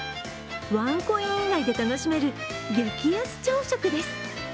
ワンコイン以内で楽しめる激安朝食です。